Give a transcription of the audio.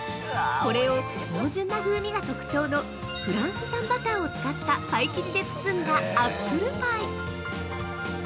これを豊潤な風味が特徴のフランス産バターを使ったパイ生地で包んだアップルパイ。